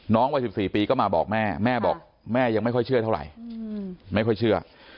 วัย๑๔ปีก็มาบอกแม่แม่บอกแม่ยังไม่ค่อยเชื่อเท่าไหร่ไม่ค่อยเชื่อ